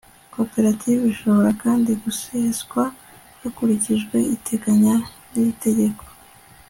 koperative ishobora kandi guseswa hakurikijwe ibiteganya n'itegeko